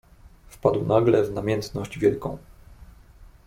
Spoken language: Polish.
"Wpadł nagle w namiętność wielką."